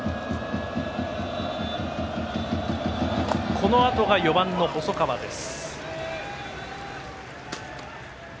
このあとが４番の細川です。